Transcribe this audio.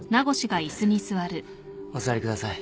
お座りください。